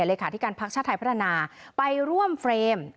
เลขาธิการพักชาติไทยพัฒนาไปร่วมเฟรม